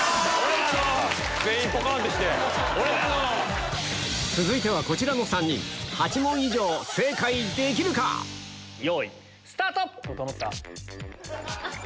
全員ぽかんってして俺らの！続いてはこちらの３人８問以上正解できるか⁉よいスタート！